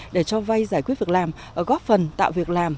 để cho vay giải quyết việc làm góp phần tạo việc làm